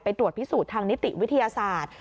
ตรวจพิสูจน์ทางนิติวิทยาศาสตร์